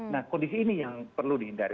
nah kondisi ini yang perlu dihindari